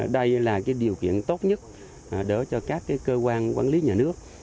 đây là cái điều kiện tốt nhất đỡ cho các cái cơ quan quản lý nhà nước